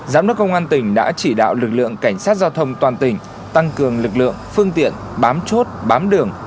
giám đốc công an tỉnh đã chỉ đạo lực lượng cảnh sát giao thông toàn tỉnh tăng cường lực lượng phương tiện bám chốt bám đường